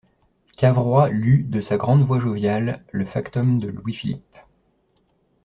Cavrois lut, de sa grande voix joviale, le factum de Louis-Philippe.